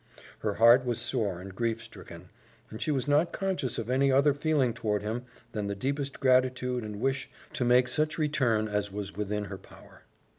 Her heart was sore and grief stricken, and she was not conscious of any other feeling toward him than the deepest gratitude and wish to make such return as was within her power.